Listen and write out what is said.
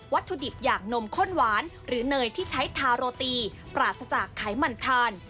ถุดิบอย่างนมข้นหวานหรือเนยที่ใช้ทาโรตีปราศจากไขมันทาน